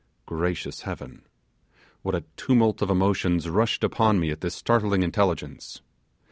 Gracious heaven! What a tumult of emotions rushed upon me at this startling intelligence!